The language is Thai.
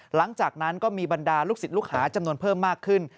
หลังจากนั้นก็มีบรรดาลูกศิษย์ลูกหาจำนวนเพิ่มมากขึ้น